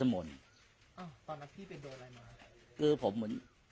อ้าวตอนนั้นพี่เป็นโดนอะไรมา